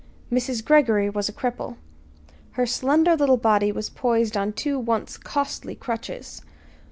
Mrs. Greggory was a cripple. Her slender little body was poised on two once costly crutches.